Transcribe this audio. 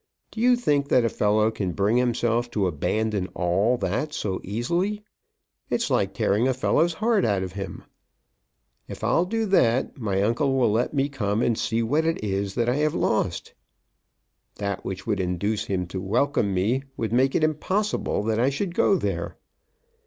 Do you think that a fellow can bring himself to abandon all that so easily? It's like tearing a fellow's heart out of him. If I'll do that, my uncle will let me come and see what it is that I have lost! That which would induce him to welcome me would make it impossible that I should go there.